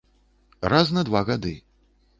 Раз на два гады.